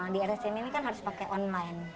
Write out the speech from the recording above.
di rscm ini kan harus pakai online